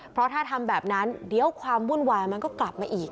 เพราะถ้าทำแบบนั้นเดี๋ยวความวุ่นวายมันก็กลับมาอีก